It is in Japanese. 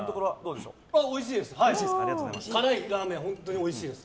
おいしいです！